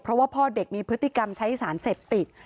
เพราะว่าพ่อเด็กมีพฤติกรรมใช้สารเสพติด